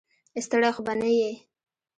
ستړی خو به نه یې.